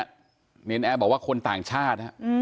ถามว่าตอนนี้ใครเขาชอบแบบเนี้ยบอกว่าคนต่างชาติฮะ